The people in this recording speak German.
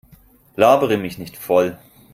Labere mich nicht voll.